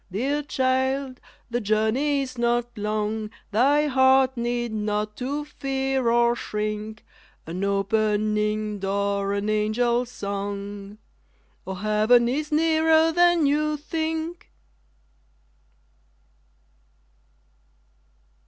_ Dear child, the journey is not long, Thy heart need not to fear or shrink _An opening door, an angel's song _ _Oh, heaven is nearer than you think!